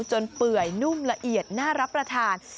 เปื่อยนุ่มละเอียดน่ารับประทาน